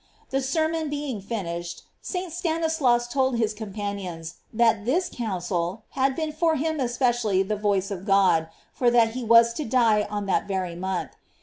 The sermon being finished, St. Stanislas told his companions that this counsel had been for him especially the voice of God, for that he was to die on that very month.